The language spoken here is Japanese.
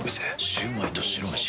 シュウマイと白めし。